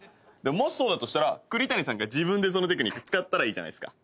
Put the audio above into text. もしそうだとしたら栗谷さんが自分でそのテクニック使ったらいいじゃないっすか。